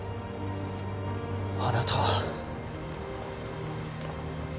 あなたは